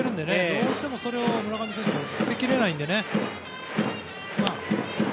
どうしてもそれを村上選手が捨てきれないのでね。